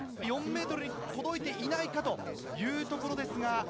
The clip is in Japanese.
４ｍに届いていないかというところですが。